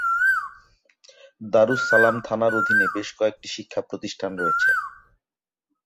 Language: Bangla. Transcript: দারুস সালাম থানার অধীনে বেশ কয়েকটি শিক্ষা প্রতিষ্ঠান রয়েছে।